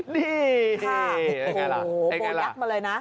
นี่ค่ะโอ้โหโบยักษ์มาเลยนะ